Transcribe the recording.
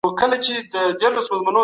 افغان شاګردان بهر ته د سفر ازادي نه لري.